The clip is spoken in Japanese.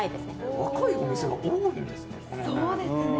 若いお店が多いですね。